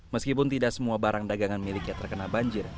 meskipun tidak semua barang dagangan miliknya terkena banjir